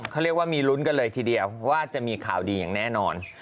เกี่ยวกันเลยทีเดียวเพราะว่าจะมีข่าวดีอย่างแน่นอน